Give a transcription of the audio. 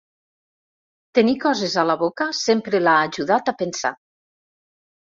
Tenir coses a la boca sempre l'ha ajudat a pensar.